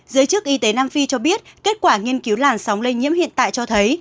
giới chức y tế nam phi cho biết kết quả nghiên cứu làn sóng lây nhiễm hiện tại cho thấy